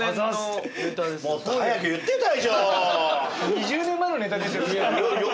２０年前のネタですよ。